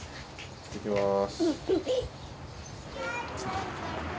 いってきます。